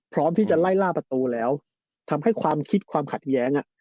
พร้อมที่จะไล่ล่าประตูแล้วทำให้ความคิดความขัดแย้ง